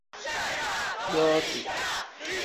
Yooti.